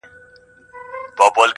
تر شا راپسي ږغ کړي، چي جان – جان مبارک~